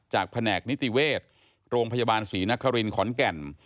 แผนกนิติเวชโรงพยาบาลศรีนครินขอนแก่น